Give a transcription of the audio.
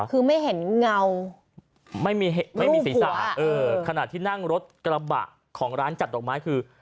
คือไม่เห็นเงาไม่มีไม่มีศีรษะขณะที่นั่งรถกระบะของร้านจัดดอกไม้คือ